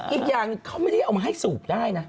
อีกอย่างหนึ่งเขาไม่ได้เอามาให้สูบได้นะ